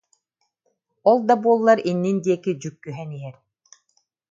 Ол да буоллар, иннин диэки дьүккүһэн иһэр